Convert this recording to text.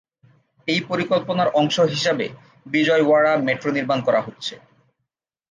এই পরিকল্পনার অংশ হিসাবে বিজয়ওয়াড়া মেট্রো নির্মান করা হচ্ছে।